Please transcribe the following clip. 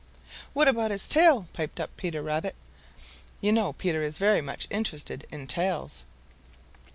"What about his tail?" piped up Peter Rabbit. You know Peter is very much interested in tails.